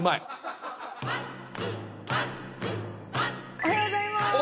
おはようございまーす。